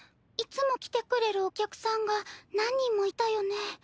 いつも来てくれるお客さんが何人もいたよね。